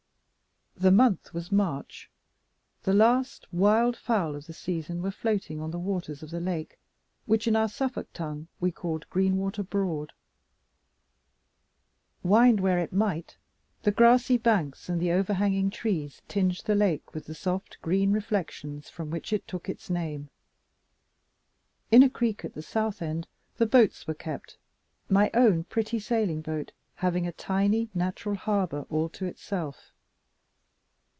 The month was March. The last wild fowl of the season were floating on the waters of the lake which, in our Suffolk tongue, we called Greenwater Broad. Wind where it might, the grassy banks and the overhanging trees tinged the lake with the soft green reflections from which it took its name. In a creek at the south end, the boats were kept my own pretty sailing boat having a tiny natural harbor all to itself.